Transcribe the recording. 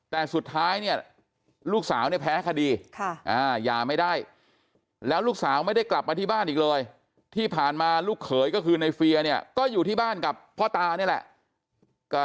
แต่สุดท้ายเนี่ยลูกสาวเนี่ยแพ้คดีหย่าไม่ได้แล้วลูกสาวไม่ได้กลับมาที่บ้านอีกเลยที่ผ่านมาลูกเขยก็คือในเฟียเนี่ยก็อยู่ที่บ้านกับพ่อตานี่แหละ